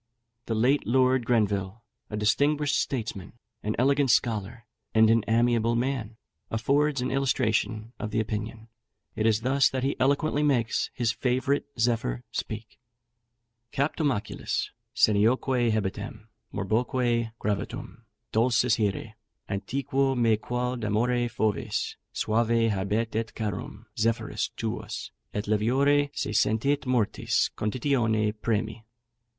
The late Lord Grenville, a distinguished statesman, an elegant scholar, and an amiable man, affords an illustration of the opinion: It is thus that he eloquently makes his favourite Zephyr speak: "Captum oculis, senioque hebetem, morboque gravatum, Dulcis here, antiquo me quod amore foves, Suave habet et carum Zephyrus tuus, et leviore Se sentit mortis conditione premi.